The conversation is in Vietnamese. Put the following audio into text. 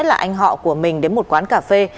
là anh họ của mình đến một quán cà phê